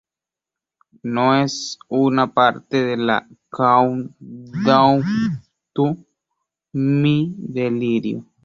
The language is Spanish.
No es una parte de la "Countdown to "Mi delirio"".